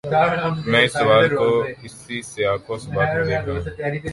میں اس سوال کو اسی سیاق و سباق میں دیکھ رہا ہوں۔